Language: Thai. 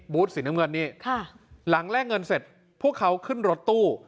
สีน้ำเงินนี่หลังแลกเงินเสร็จพวกเขาขึ้นรถตู้